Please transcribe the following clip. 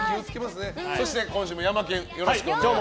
そして今週もヤマケンよろしくお願いします。